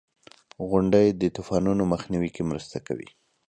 • غونډۍ د طوفانونو مخنیوي کې مرسته کوي.